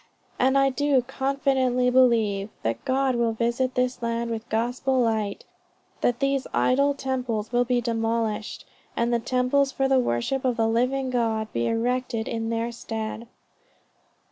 And I do confidently believe that God will visit this land with Gospel light, that these idol temples will be demolished, and temples for the worship of the living God be erected in their stead."